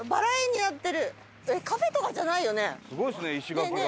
すごいですね石垣が。